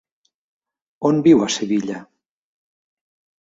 On viu a Sevilla?